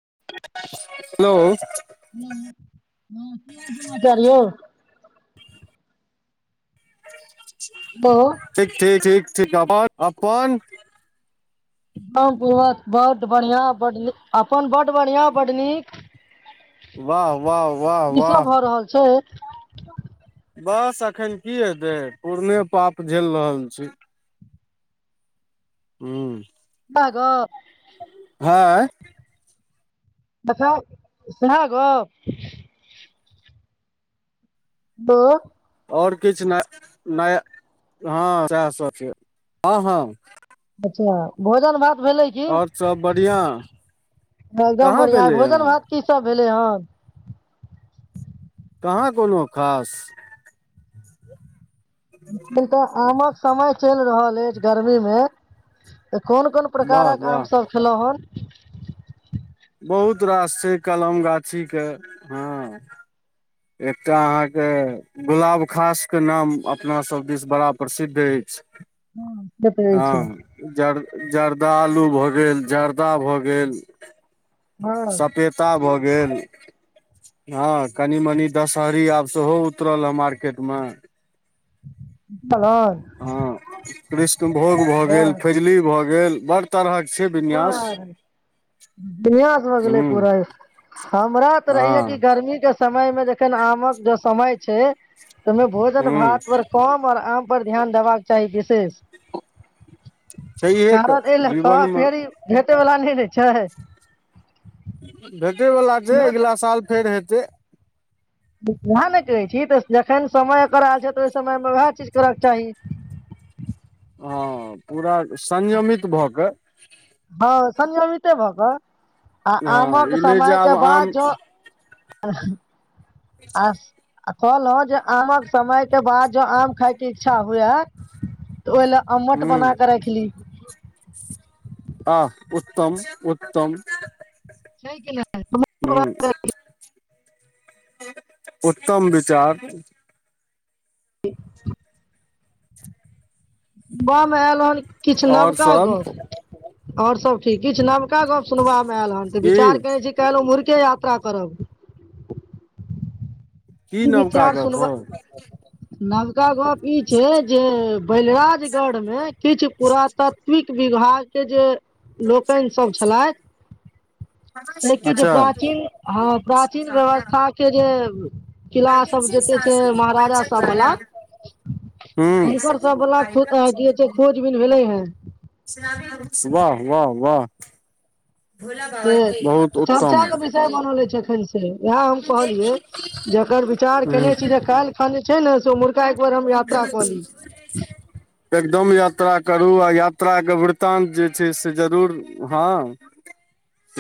Hello. हँ हँ की हाल समाचार यौ। बहुत ठीक-ठीक-ठीक। ठीक अपन-अपन [unintelligible] बड बढ़ियाँ, बड नीक, अपन बड बढ़ियाँ, बड नीक की सब वाह-वाह-वाह-वाह। भऽ रहल छै बस एखन की हेतै पुरने पाप झेल रहल छी। ह्म्म। पाग हैं। मतलब सुहा ग लो। और किछ नै नै हाँ साएह सब छै हाँ-हाँ। चा भोजन भात भेलै कि और सब बढ़िआँ एगदम कहाँ बढ़िया भेलै हँ भोजन-भात की सब भेले हन कहाँ कोनो खास ने तऽ आमक समय चैल रहल तेज गरमी मे ए कोन-कोन वाह प्रकारक आम वाह सब खेलौ हन। [unintelligible] बहुत रास छै कलम गाछी के, हाँ एकटा अहाँ के गुलाबखास के नाम अपना सब दिस बड़ा प्रसिद्ध एछ। हाँ जत रहै छै। जरदालु भऽ गेल, जर्दा भऽ गेल। हँ सपेता भऽ गेल। हाँ कनि-मनि दशहरी आब सोहो उतरल ए मार्केट मे। बुझलहन हाँ कृष्णभोग भ बड़ गेल, फेजली भ गेल। बड़ तरहक छै विन्यास बड़ विन्यास भ गेलै हूँ पूरा ए, हमरा तऽ रहिये कि हँ गर्मी के समय मे जखन आमक ज समय छै। ते मे हूँ भोजन-भात पर कम और आम पर ध्यान देबाक चाही विशेष। सहीये ते जी त फेर ई भेटे वला उहे नै छै। भे टे वला छै, इहो एगला साल फेर हे ते उहाए ने कहै छी तऽ जखन समय एकर आएल छै ते ओय समय मे उहाए चीज करय के चाही। हाँ पूरा संयमित भऽ के हाँ संयमिते भ ब आ हँ आमक ई नहि जे समय के आब आम बाद जौ आर आ आ कहलौ जे आमक समय के बाद जो आम खाय के इच्छा हुआए। त ओय ले अम्मट हूँ बना के राएखली। [unintelligible] आ उत्तम-उत्तम। छै कैला [unintelligible] उत्तम विचार [unintelligible] बम आएल हल। किछ और नवका सब गप्प। और सब ठीक, किछ नव का गप्प सुनबा मे आएल हन ते की विचार केने छी काएल उम्हूर के यात्रा करब। की ई नवका विचार गप हौ सुनबा नबका गप ई छै जे बैलराजगढ़ मे किछ पुरातत्विक विभाग के जे लोकैन सब छलाए से कि जे अच्छा प्राचीन हाँ प्राचीन व्यवस्था के जे किला सब जेते छै महाराजा सब बला, हूँ हुनकर सब बला खो अ की हय छै खोज-बीन भेले हय। वाह-वाह-वाह। के चर्चा के विषय बनलै छै एखन से ते इहाए हम हूँ कहलियै जे एकर विचार केने छी जे काएल खनि छै नै से उम्हूर [unintelligible] दम यात्रा करू आ यात्रा के वृतान्त जे छै से जरूर हाँ।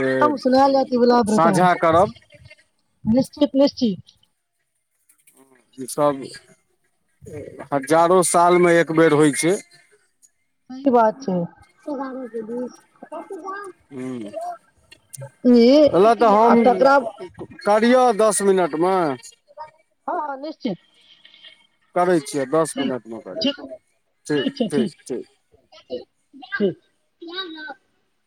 एकदम सुनाएल जाएत ई बला वृतांत, करब निश्चित निश्चि [unintelligible] ई सब हजारो साल मे एक बेर होय छै। ई बात छै। ह्म्म, एला तऽ ई आ हम तकरा करियौ दस मिनट मे हँ निश्चित करै छीये दस ठीक मिनट मे करै, ठीक ठीक छै ठीक ठीक-ठीक-ठीक। [unintelligible]